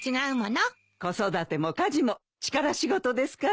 子育ても家事も力仕事ですから。